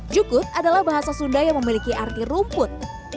jukut adalah bahasa sunda yang memiliki arti rumput